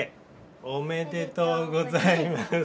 おめでとうございます。